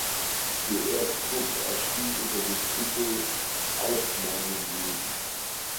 Der Erstdruck erschien unter dem Titel „Aus meinem Leben.